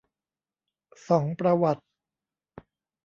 ส่องประวัติ